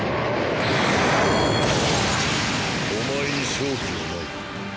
お前に勝機はない。